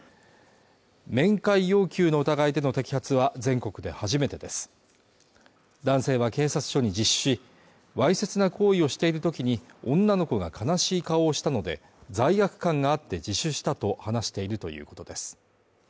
面会要求の疑いでの摘発は全国で初めてです男性は警察署に自首しわいせつな行為をしている時に女の子が悲しい顔をしたので罪悪感があって自首したと話しているということです